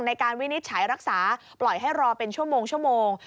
วินิจฉัยรักษาปล่อยให้รอเป็นชั่วโมง